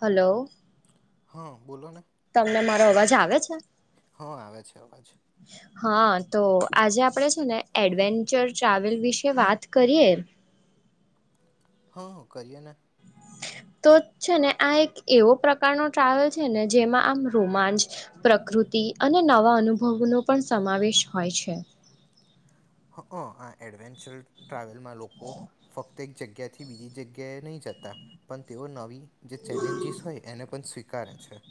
Hello હા બોલો ને તમને મારો અવાજ આવે છે હા આવે છે અવાજ હા તો આજે આપણે છે ને એડવેન્ચર ટ્રાવેલ વિશે વાત કરીએ હા કરીએ ને તો છે ને આ એક એવો પ્રકારનો ટ્રાવેલ છે ને જેમાં આમ રોમાંચ પ્રકૃતિ અને નવા અનુભવનો પણ સમાવેશ હોય છે હ આ એડવેન્ચર ટ્રાવેલમાં લોકો ફક્ત એક જગ્યાથી બીજી જગ્યાએ નહીં જતા પણ તેઓ નવી જે ચેલેન્જીસ હોય એને પણ સ્વી વીકારે છે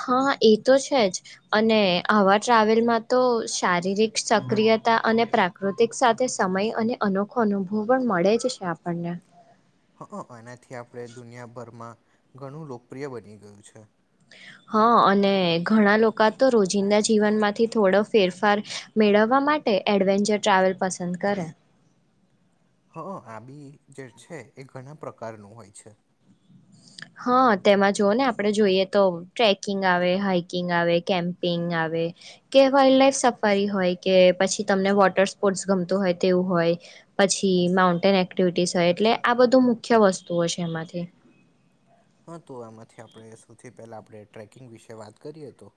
હા એ તો છે જ અને આવા ટ્રાવેલમાં તો શારીરિક સક્રિયતા અને પ્રાકૃતિક સાથે સમય અને અનોખો અનુભવ પણ મળે જ છે આપણને હ એનાથી આપણે દુનિયાભરમાં ઘણું લોકપ્રિય બની ગયું છે હા અને ઘણા લોકો તો રોજિંદા જીવનમાંથી થોડો ફેરફાર મેળવવા માટે એડવેન્ચર ટ્રાવેલ પસંદ કરે હઅ અ આ બી જે છે એ ઘણા પ્રકારનું હોય છે હા તેમાં જોુઓ ને આપણે જોઈએ તો ટ્રેકિંગ આવે હાાઈકિંગ આવે કેમ્પિંગ આવે કે વાઇલ્ડ લઇફ સફારી હોય કે પછી તમને વોટર સ્પોર્ટ્સ ગમતું હોય તેવું હોય પછી માઉન્ટેન એક્ટિવિટીસ હોય એટલે આ બધું મુખ્ય વસ્તુઓ છે એમાંથી હા તો એમાંથી આપણે સૌથી પહેલા આપણે ટ્રેકિંગ વિશે વાત કરીએ તો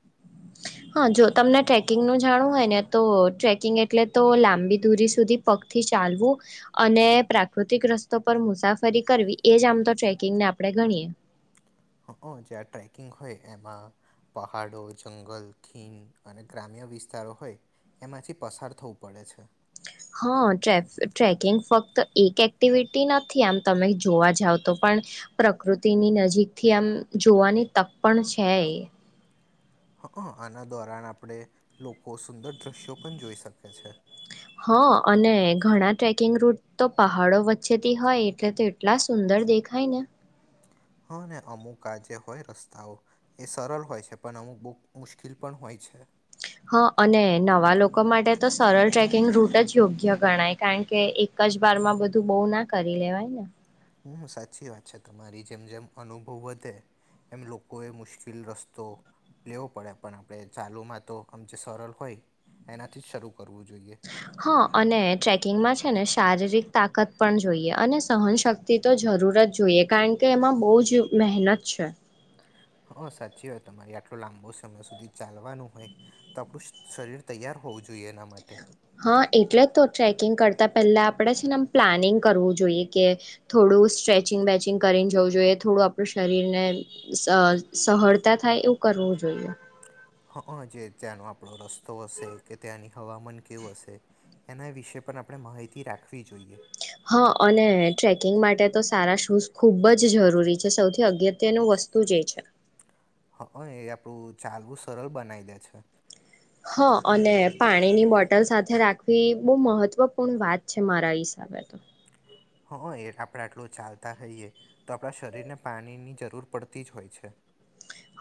હા જો તમને ટ્રેકિંગનું જાણું હોય ને તો ટ્રેકિંગ એટલે તો લાંબી દૂરી સુધી પગથી ચાલવું અને પ્રાકૃતિક રસ્તો પર મુસાફરી કરવી એ જ આમ તો ટ્રેકિંગને આપણે ગણીએ હઅ જ્યાં ટ્રેકિંગ હોય એમાં પહાડો જંગલ ખીન અને ગ્રામ્ય વિસ્તારો હોય એમાંથી પસાર થવું પડે છે હા ટ ટ્રેકિંગ ફક્ત એક એક્ટિવિટી નથી આમ તમે જોવા જાવ તો પણ પ્રકૃતિની નજીકથી આમ જોવાની તક પણ છે એ હઅ આના દોરાણ આપણે લોકો સુંદર દ્રશ્યો પણ જોઈ શકે છે હ અને ઘણા ટ્રેકિંગ રૂટ તો પહાડો વચ્ચેથી હોય એટલે તો એટલા સુંદર દેખાય ને હા ને અમુક આજે હોય રસ્તાઓ એ સરળ હોય છે પણ અમુક બ મુશ્કેલ પણ હોય છે હા અને નવા લોકો માટે તો સરળ ટ્રેકિંગ રૂટ જ યોગ્ય ગણાય કારણકે એક જ બારમાં બધું બહુ ના કરી લેવાય ને હું સાચી વાત છે તમારી જેમ જેમ અનુભવ વધે એમ લોકોએ મુશ્કેલ રસ્તો લેવો પડે પણ આપણે ચાલુમાં તો આમ જે સરળ હોય એનાથી જ શરૂ કરવું જોઈએ હા અને ટ્રેકિંગમાં છે ને શારીરિક તાકત પણ જોઈએ અને સહનશક્તિ તો જરૂર જ જોઈએ કારણ કે એમાં બહુ જ મહેનત છે હા સાચી વાત તમારે આટલો લાંબો સમય સુધી ચાલવાનું હોય તો આપણું શરીર તૈયાર હોવું જોઈએ એના માટે હા એટલે તો ટ્રેકિંગ કરતાં પહેલા આપણેે છે નેમ પ્લાનિંગ કરવું જોઈએ કે થોડું સ્ટ્રેચિંગ વેચિંગ કરીને જવું જોઈએ થોડું આપણું શરીર ને સહળતા થાય એવું કરવું જોઈએ હઅ જે ત્યાંનો આપણો રસ્તો હશે કે ત્યાંની હવામાન કેવું હશે એના વિશે પણ આપણે માહિતી રાખવી જોઈએ હા અને ટ્રેકિંગ માટે તો સારા શોએસ ખૂબ જ જરૂરી છે સૌથી અગત્યનું વસ્તુ જ એ છે હઅ એ આપડું ચાલવું સરળ બનાવી દે છે હ અને પાણીની બોટલ સાથે રાખવી બહુ મહત્વપૂર્ણ વાત છે મારા હિસાબે તો હઅ આપણે આટલું ચાલતા રઈએ તો આપણા શરીરને પાણીની જરૂર પડતી જ હોય છે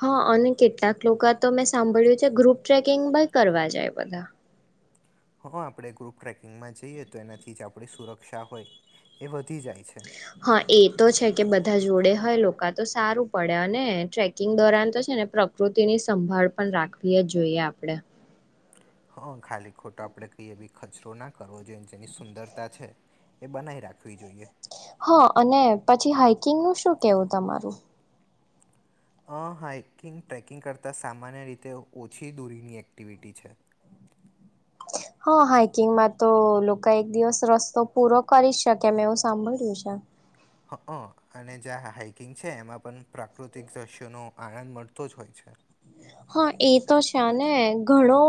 હ અને કેટલાક લોકો તો મેં સાંભળ્યું છે ગ્રુપ ટ્રેકિંગ ભાઈ કરવા જાય બધા હ આપણે ગ્રુપ ટ્રેકિંગમાં જઈએ તો એનાથી જ આપણી સુરક્ષા હોય એ બ હ એ તો છે કે બધા જોડે હોય લોકો તો સારું પડે અને ટ્રેકિંગ દોરાન તો છે ને પ્રકૃતિની સંભાળ પણ રાખવી જોઈએ આપણેે હ ખાલી ખોટો આપણેે કહીએ બી ખચરો ના કરવો જોઈએ જેની સુંદરતા છે એ બનાવી રાખવી જોઈએ હ અને પછી હાઈકિંગ નું શું કેવું તમારું અ હાાઈકિંગ ટ્રેકિંગ કરતાં સામાન્ય રીતે ઓછી દૂરીની એક્ટિવિટી છે હા હાઈકિંગમાં તો લોકો એક દિવસ રસ્તો પૂરો કરી જ શકે એવું સાંભળ્યું છે હ અને જ્યાં હાઈકિંગ છે એમાં પણ પ્રાકૃતિક દ્રશ્યોનો આનંદ મળતો જ હોય છે હા એ તો છે ઘણો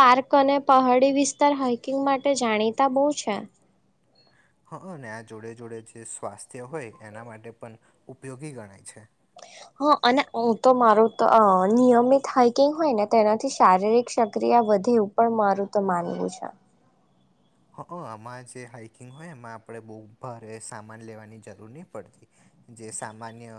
પાર્ક અને પહાડી વિસ્તાર હાઈકિંગ માટે જાણીતા બહ છે હ અને આ જોડે જોડે જે સ્વાસ્થ્ય હોય એના માટે પણ ઉપયોગી ગણાય છે હા અને હું તો મારું તો નિયમિત હાઈકિંગ હોય ને તેનાથી શારીરિક સક્રિયા વધે એવું પણ મારું તો માનવું છે હ આમાં જે હાાઈકિંગ હોય એમાં આપણે બહુ ભારે સામાન લેવાની જરૂર નહીં પડતી જે સામાન્ય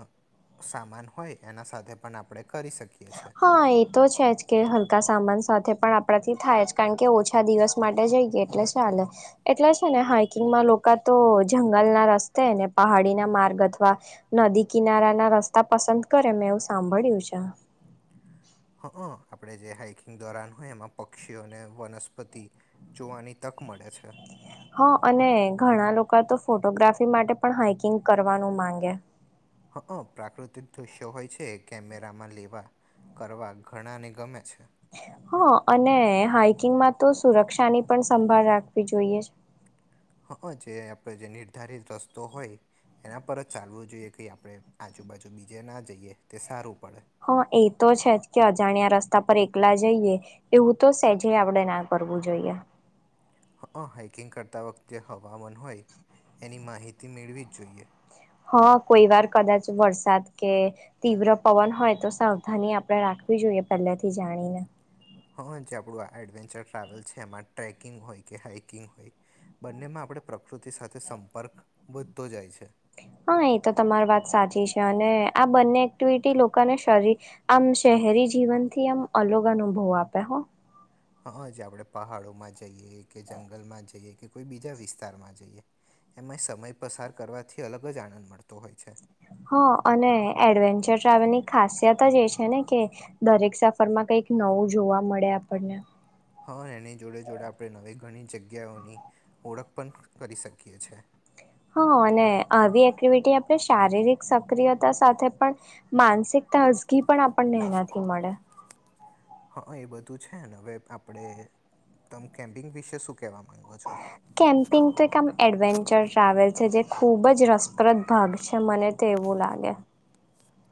સામાન હોય એના સાથે પણ આપણે કરી શકીએ છીએ હા એ તો છેજ કે હલકા સામાન સાથે પણ આપણાથી થાય જ કારણ કે ઓછા દિવસ માટે જઈએ એટલે ચાલે એટલે છે ને હાઈકિંગમાં લોકો તો જંગલ ના રસ્તે ને પહાડીના માર્ગ અથવા નદી કિનારા ના રસ્તા પસંદ કરે મેં એવું સાંભળ્યું છે હ આપણે જે હાઈકિંગ દોરાન હોય એમાં પક્ષીઓને વનસ્પતિ જોવાની તક મળે છે હા અને ઘણા લોકો તો ફોટોગ્રાફી માટે પણ હઇકિંગ કરવાનું માંગે હ પ્રાકૃતિક દૃશ્યો હોય છે કેમેરામાં લેવા કરવા ઘણાને ગમે છે હા અને હાાઈકિંગમાં તો સુરક્ષાની પણ સંભાળ રાખવી જોઈએ હ જે આપણે જે નિર્ધારિત રસ્તો હોય એના પર જ ચાલવો જોઈએ કે આપણે આજુબાજુ બીજે ના જઈએ તે સારું પડે. હા એ તો છે જ કે અજાણ્યા રસ્તા એકલા જઈએ એવું તો સેજે આપણેે ના કરવું જોઈએ હ હાઇકિંગ કરતા વખતે હવામાન હોય એની માહિતી મેળવી જ જોઈએ હા કોઈ વાર કદાચ વરસાદ કે તીવ્ર પવન હોય તો સાવધાની આપણે રાખવી જોઈએ પહેલાથી જાણીને હા જે આપણું એડવેન્ચર ટ્રાવેલ છે એમાં ટ્રેકિંગ હોય કે હાઈકિંગ હોય બંનેમાં આપ પ્રકૃતિ સાથે સંપર્ક વધતો જાય છે હા એ તો તમારી વાત સાચી છે અને આ બંને એક્ટિવિટી લોકોને શરીર આમ શહેરી જીવનથી આમ અલગ અનુભવ આપે હો હાજ આપણે પહાડોમાં જઈએ કે જંગલમાં જઈએ કે કોઈ બીજા વિસ્તારમાં જઈએ એમાં સમય પસાર કરવાથી અલગ જ આનંદ મળતો હોય છે હા અને એડવેન્ચર ટ્રાવેલની ખાસિયત જ એ છે ને કે દરેક સફર માં કંઈક નવું જોવા મળે આપણને હા એને જોડે જોડે આપણે નવી ઘણી જગ્યાઓની ઓળખ પણ કરી શકીએ છ છે હા અને આવી એક્ટિવિટી આપણે શારીરિક સક્રિયતા સાથે પણ માનસિક તજગી પણ આપણને એનાથી મળે હા એ બધું છે ને હવે આપણે તમ કેમ્પિંગ વિશે શું કહેવા માંગો છો કેમ્પિંગ તો એક આમ એડવેન્ચર ટ્રાવેલ છે જે ખૂબ જ રસપ્રદ ભાગ છે મને તેવું લાગે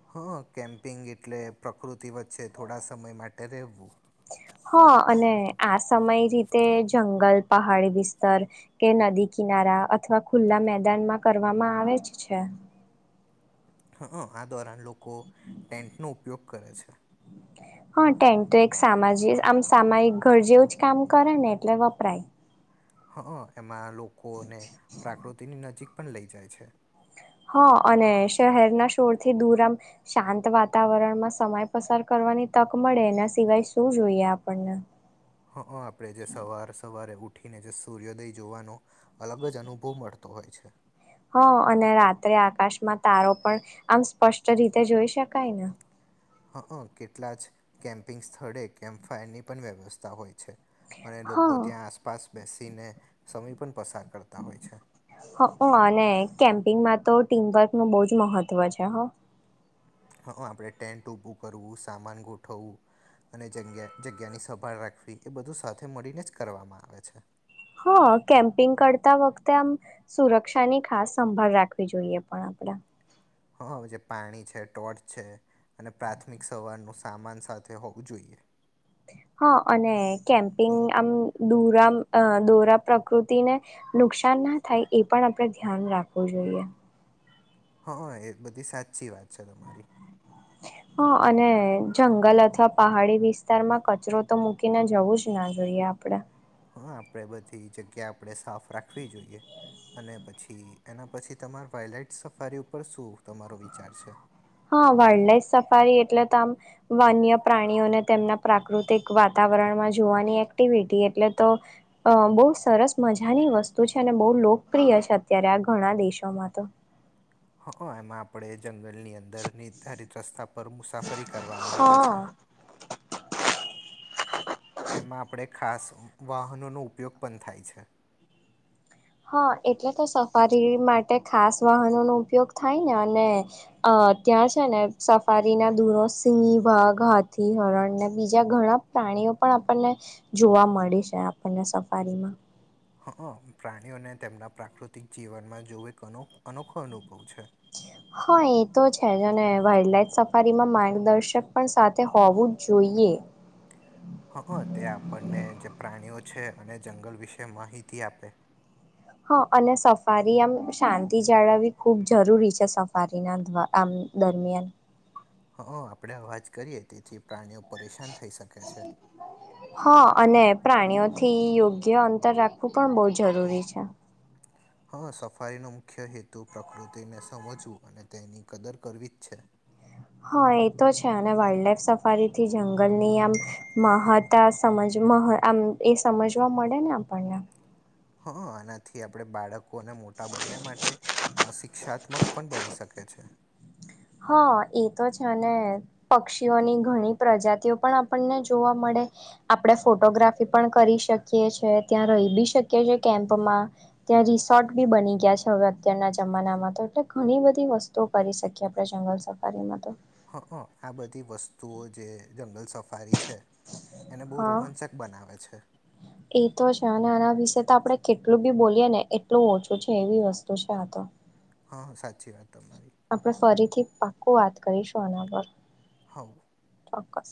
હા કેમ્પિંગ એટલે પ્રકૃતિ વચ્ચે થોડા સમય માટે રહેવું હા અને આ સમય રીતે જંગલ પહાડી વિસ્તાર કે નદી કિનારા અથવા ખુલ્લા મેદાનમાં કરવામાં આવે જ છે હ આ દ્વારા લોકો ટેન્ટનો ઉપયોગ કરે છે હા ટેન્ટ તો એક સામા આમ સામાયિક ઘર જેવું જ કામ કરે ને એટલે વપરાય હ એમ લોકોને પ્રકૃતિની નજીક પણ લઈ જાય છે હા અને શહેરના શોરથી દૂર આમ શાંત વાતાવરણમાં સમય પસાર કરવાની તક મળે એના સિવાય શું જોઈએ આપણને હા આપણે જે સવારે સવારે ઉઠીને જે સૂર્યોદય જોવાનો અલગ જ અનુભવ મળતો હોય છે હ અને રાત્રે આકાશમાં તારો પણ આમ સ્પષ્ટ રીતે જોઈ શકાય ને હ કેટલા જ કેમ્પિંગ સ્થળે કેમ્પ ફાયરની પણ વ્યવસ્થા હોય છે અને લોકો ત્યાં હા આસપાસ બેસી ને સમય પણ પસાર કરતા હોય છે હ અનેને કેમ્પિંગમાં તો ટીમવર્ક નું બહુ જ મહત્ત્વ છે હા હ આપણે ટેન્ટ ઉભું કરવું સામાન ગોઠવવું અને જ્યા જગ્યાની સભાળ રાખવી એ બધું સાથે મળીને જ કરવામાં આવે છે હા કેમ્પિંગ કરતા વખતે આમ સુરક્ષાની ખાસ સંભાળ રાખવી જોઈએ પણ આપણે હ જે પાણી છે ટોર્ચ છે અને પ્રાથમિક સવારનું સામાન સાથે હોવું જોઈએ હા અને કેમ્પિંગ આમ દોરા દોરા પ્રકૃતિને નુકસાન ના થાય એ પણ આપણે ધ્યાન રાખવું જોઈએ હ એ બધી સાચી વાત છે તમારી અને જંગલ અથવા પહાડી વિસ્તારમાં કચરો તો મૂકીને જવું જ ના જોઈએ આપડે હા આપણે બધી જગ્યા આપણે સાફ રાખવી જોઈએ અને પછી એના પછી તમાર વયલાઈટ સફારી ઉપર શું તમારો વિચાર છે હા વાઇલ્ડ લાઈફ સફારી એટલે તો આમ વાન્ય પ્રાણીઓને તેમના પ્રાકૃતિક વાતાવરણમાં જોવાની એક્ટિવિટી એટલે તો બહુ સરસ મજાની વસ્તુ છે અને બહુ લોકપ્રિય છે અત્યારે આ ઘણા દેશોમાં તો હ એમાં આપડે જંગલની અંદર નિર્ધારિત રસ્તા પર મુસાફરી કરવામાં આવે હા છે [inaudible] એમાં આપણે ખાસ વાહનોનો ઉપયોગ પણ થાય છે હા એટલે તો સફારી માટે ખાસ વાહનોનોો ઉપયોગ થાય ને અને ત્યાં છે ને સફારીના દૂરો સિંહ વાઘ હાથી હરણ બીજા ઘણા પ્રાણીઓ પણ આપણને જોવા મળી છે આપણને સફારીમાં હા પ્રાણીઓને તેમના પ્રાકૃતિક જીવનમાં જોવું એકનો અનોખો અનુભવ છે હા એ તો છે જ અને વાઇલ્ડ લઇફ સફારીમાં માર્ગદર્શક પણ સાથે હોવું જ જોઈએ હા તે આપણને જે પ્રાણીઓ છે અને જંગલ વિશે માહિતી આપે હા અને સફારી આમ શાંતિ જાળવવી ખૂબ જરૂરી છે સફારી ના આમ દરમિયાન હ આપણેે અવાજ કરીએ તેથી પ્રાણીઓ પરેશાન થઈ શકે છે હા અને પ્રાણીઓ થી યોગ્ય અંતર રાખવું પણ બહ જરૂરી છે હા સફારીનો મુખ્ય હેતુ પ્રકૃતિને સમજવું અને તેની કદર કરવી જ છે હા એ તો છે અને વાઈલ્ડ લાઈફ સફારી થી જંગલની આમ મહતા સમજ આમ એ સમજવા મળે ને આપણને હ આનાથી આપણે બાળકો લોકોને મોટા બંને માટે શી િકષાત્મક પણ બની શકે છે હા એ તો છે પક્ષીઓની ઘણી પ્રજાતિઓ પણ આપણને જોવા મળે આપણે ફોટોગ્રાફી પણ કરી શકીએ છે ત્યાં રહી બી શકીએ છેએ કેમ્પમાં ત્યાં રિસોર્ટ બી બની ગયા છે હવે અત્યારના જમાનામાં તો એટલે ઘણી બધી વસ્તુઓ કરી શકીએ પ્ર જંગલ સફારીમાં તો હ આ બધી વસ્તુઓ જે જંગલ સ હા બનાવે છે એ તો છે અને આના વિશે તો આપણે કેટલું બી બોલીએ ને એટલું ઓછું છે એવી વસ્તુ છે આ તો હા સાચી વાત તમારે આપડણે ફરીથી પાક્કું વાત કરીશું આના પર હવ ચોક્કસ